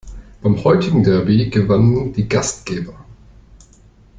Beim heutigen Derby gewannen die Gastgeber.